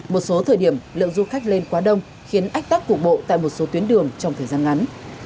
một số thời điểm lượng du khách lên quá đông khiến ách tắc cục bộ tại một số tuyến đường trong thời gian ngắn